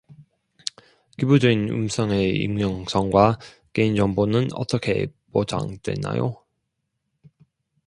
기부된 음성의 익명성과 개인정보는 어떻게 보장되나요?